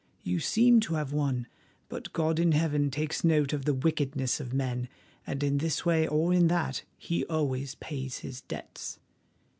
You seem to have won, but God in Heaven takes note of the wickedness of men, and in this way or in that He always pays His debts.